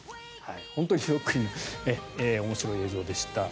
本当にそっくりで面白い映像でした。